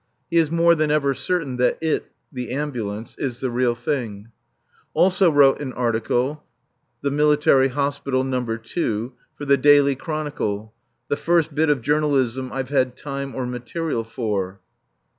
He is more than ever certain that it (the Ambulance) is the real thing. Also wrote an article ("L'Hôpital Militaire, No. 2") for the Daily Chronicle; the first bit of journalism I've had time or material for.